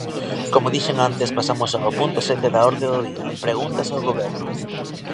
Como dixen antes, pasamos ao punto sete da orde do día, preguntas ao Goberno.